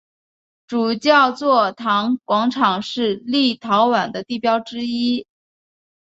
主教座堂广场是立陶宛的地标之一。